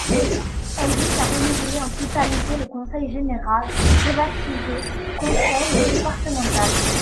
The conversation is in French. Elles visent à renouveler en totalité le conseil général rebaptisé conseil départemental.